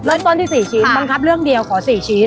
เริ่มต้นที่๔ชิ้นบังคับเรื่องเดียวขอ๔ชิ้น